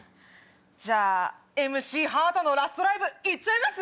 じゃあＭＣハートのラストライブ行っちゃいます？